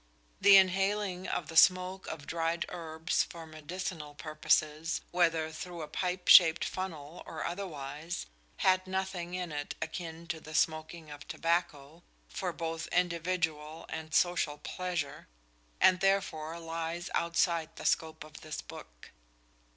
The inhaling of the smoke of dried herbs for medicinal purposes, whether through a pipe shaped funnel or otherwise, had nothing in it akin to the smoking of tobacco for both individual and social pleasure, and therefore lies outside the scope of this book.